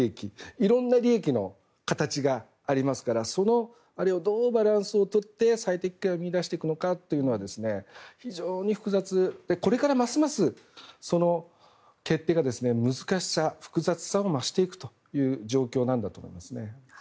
いろんな利益の形がありますからそれを、どうバランスをとって最適解を見いだしていくのかというのは非常に複雑でこれからますますその決定が難しさ、複雑さも増していく状況だと思いますね。